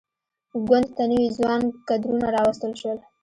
ګوند ته نوي ځوان کدرونه راوستل شول.